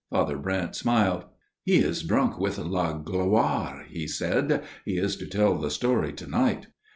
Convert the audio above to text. Father Brent smiled. 44 He is drunk with la gloire," he said. 44 He is to tell the story to night."